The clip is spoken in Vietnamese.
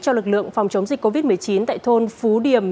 cho lực lượng phòng chống dịch covid một mươi chín tại thôn phú điểm